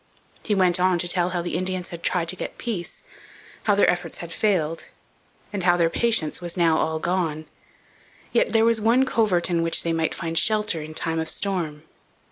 He went on to tell how the Indians had tried to get peace, how their efforts had failed, and how their patience was now all gone. Yet there was one covert in which they might find shelter in time of storm.